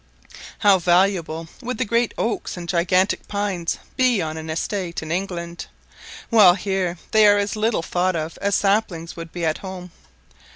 How valuable would the great oaks and gigantic pines be on an estate in England; while here they are as little thought of as saplings would be at home.